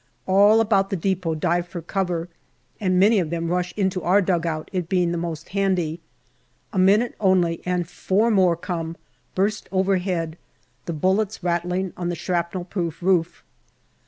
All about the depot dive for cover, and many of them rush into our dugout, it being the most handy. A minute only and four more come, burst overhead, the bullets rattling on the shrapnel proof roof.